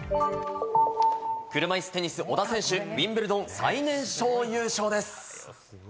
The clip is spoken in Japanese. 車いすテニス小田選手、ウィンブルドン最年少優勝です。